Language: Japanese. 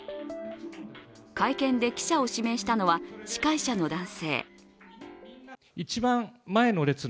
会見で記者を指名したのは司会者の男性。